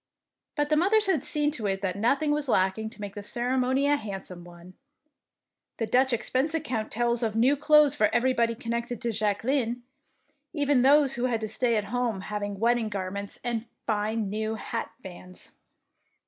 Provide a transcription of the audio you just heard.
But the mothers had seen to it that nothing was lacking to make the cere mony a handsome one. The Dutch expense account tells of new clothes for everybody connected with Jacque line, even those who had to stay at 57 DEEDS or DAEING home having wedding garments and fine new hat bands.